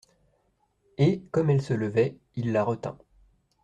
Et, comme elle se levait, il la retint.